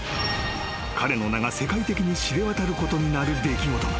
［彼の名が世界的に知れ渡ることになる出来事が］